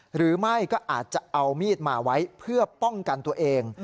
หรือไม่ก็อาจจะเอามีดมาไว้เพื่อป้องกันตัวเอง